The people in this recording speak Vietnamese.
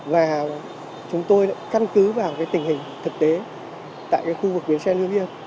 và chúng tôi căn cứ vào tình hình thực tế tại khu vực bến xe lương liêng